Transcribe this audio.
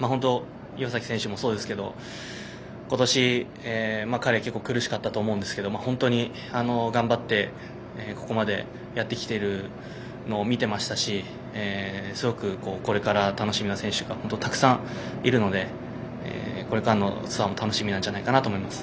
岩崎選手もそうですが今年彼、結構苦しかったと思うんですが本当に頑張ってここまでやってきているのを見ていましたしすごくこれから楽しみな選手がたくさんいるのでこれからのツアーも楽しみなんじゃないかと思います。